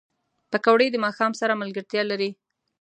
پکورې د ماښام سره ملګرتیا لري